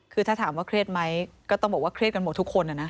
คือถ้าถามว่าเครียดไหมก็ต้องบอกว่าเครียดกันหมดทุกคนนะนะ